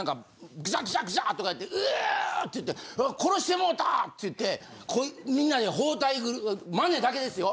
グサグサグサとか言って「う！」って言って「殺してもうた！」って言ってみんなで包帯グルグルマネだけですよ。